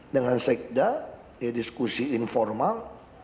dengan sekda ya diskusi informal